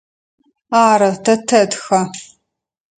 Ары, тэ тэтхэ.